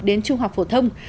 đến trung học phổ thông